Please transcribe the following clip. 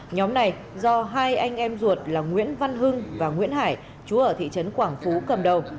nhóm này do hai anh em ruột là nguyễn văn hưng và nguyễn hải chú ở thị trấn quảng phú cầm đầu